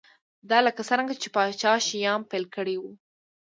دا لکه څرنګه چې پاچا شیام پیل کړی و